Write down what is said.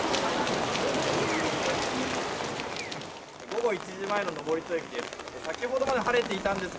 午後１時前の登戸駅です。